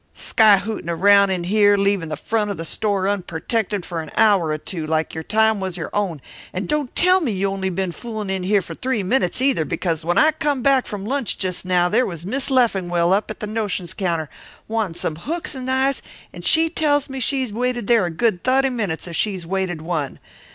Skyhootin' around in here, leavin' the front of the store unpertected for an hour or two, like your time was your own. And don't tell me you only been foolin' in here for three minutes, either, because when I come back from lunch just now there was Mis' Leffingwell up at the notions counter wanting some hooks and eyes, and she tells me she's waited there a good thutty minutes if she's waited one.